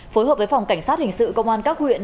phối hợp với phòng cảnh sát hình sự công an các huyện